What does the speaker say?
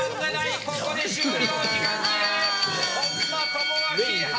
ここで終了！